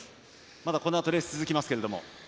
まだ、このあとレース続きますけれども。